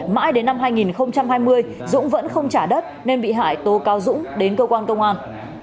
mãi đến năm hai nghìn hai mươi dũng vẫn không trả đất nên bị hại tố cáo dũng đến cơ quan công an